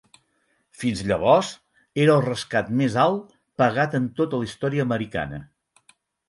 Fins llavors, era el rescat més alt pagat en tota la història americana.